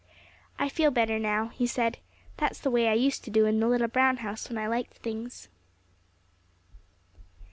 "I feel better now," he said; "that's the way I used to do in the little brown house when I liked things."